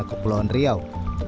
ke pulau riau